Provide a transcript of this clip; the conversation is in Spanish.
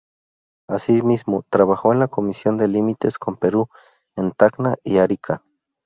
Asimismo, trabajó en la comisión de límites con Perú en Tacna y Arica.